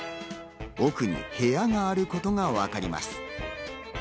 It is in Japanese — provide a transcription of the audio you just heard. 奥に部屋があることがわかります。